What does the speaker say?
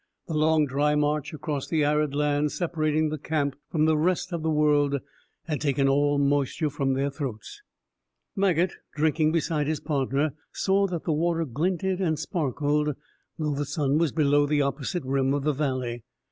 The long dry march across the arid lands separating the camp from the rest of the world had taken all moisture from their throats. Maget, drinking beside his partner, saw that the water glinted and sparkled, though the sun was below the opposite rim of the valley.